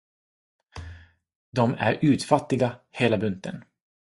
De är utfattiga, hela bunten.